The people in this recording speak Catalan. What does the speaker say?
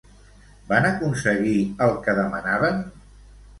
Van aconseguir el que demanaven?